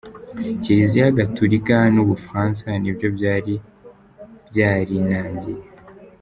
Kiliziya Gatulika n’u Bufaransa ni byo byari byarinangiye.